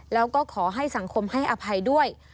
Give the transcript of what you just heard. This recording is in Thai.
แล้วก็ขอให้สังคมให้อภัยด้วย